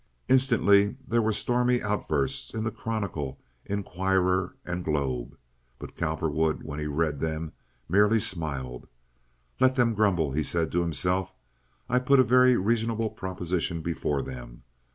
Instantly there were stormy outbursts in the Chronicle, Inquirer, and Globe; but Cowperwood, when he read them, merely smiled. "Let them grumble," he said to himself. "I put a very reasonable proposition before them.